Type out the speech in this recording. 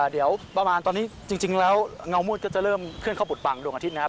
เดี๋ยวประมาณตอนนี้จริงแล้วเงามืดก็จะเริ่มเคลืดบังดวงอาทิตย์นะครับ